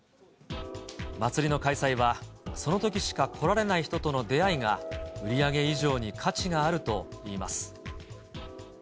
祭りの開催は、そのときしか来られない人との出会いが、売り上げ以上に価値があるといいます。